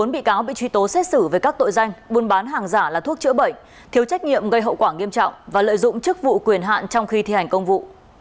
bốn bị cáo bị truy tố xét xử về các tội danh buôn bán hàng giả là thuốc chữa bệnh thiếu trách nhiệm gây hậu quả nghiêm trọng và lợi dụng chức vụ quyền hạn trong khi thi hành công vụ